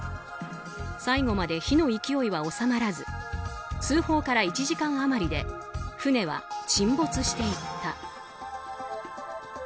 最後まで火の勢いは収まらず通報から１時間余りで船は沈没していった。